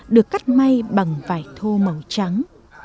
được cắt may bằng vải thô màu trắng